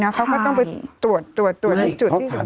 เขาก็ต้องไปตรวจที่สุด